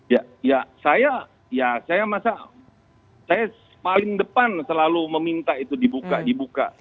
ya ya saya ya saya masa saya paling depan selalu meminta itu dibuka dibuka